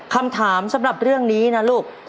คำถามสำหรับเรื่องนี้นะลูก